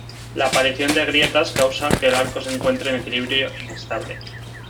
La aparición de grietas causa que el arco se encuentre en equilibrio inestable.